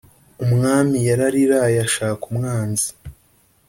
umwami yarariraye ashaka umwanzi